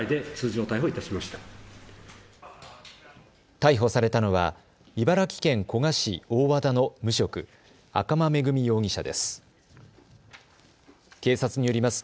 逮捕されたのは茨城県古河市大和田の無職、赤間恵美容疑者です。